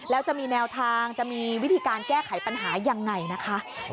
แล้วจะมีแนวทางจะมีวิธีการแก้ไขปัญหายังไงนะคะ